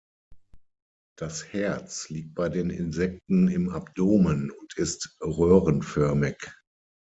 Das Herz liegt bei den Insekten im Abdomen und ist röhrenförmig.